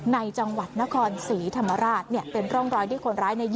ในจังหวัดนครศรีธรรมราชเป็นร่องรอยที่คนร้าย